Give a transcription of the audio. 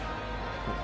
うん？